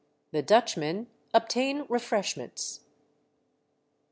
THE DUTCHMEN OBTAIN REFRESHMENTS.